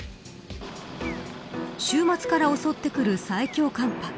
週末から襲ってくる最強寒波。